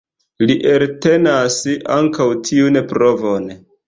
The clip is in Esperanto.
Li eltenas ankaŭ tiun provon.